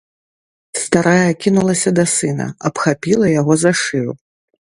Старая кінулася да сына, абхапіла яго за шыю.